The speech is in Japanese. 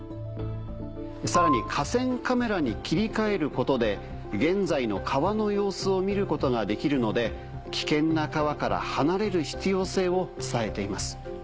さらに河川カメラに切り替えることで現在の川の様子を見ることができるので危険な川から離れる必要性を伝えています。